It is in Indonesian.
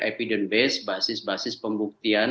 evidence base basis basis pembuktian